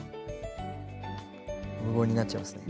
無言になっちゃいますね。